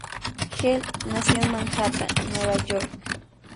Gelb nació en Manhattan, Nueva York.